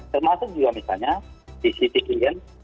termasuk juga misalnya cctv nya